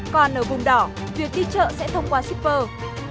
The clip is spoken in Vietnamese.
còn ở vùng đỏ việc đi chợ sẽ thông qua shipper